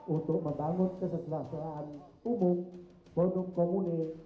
untuk membangun kesejahteraan umum bonum komunik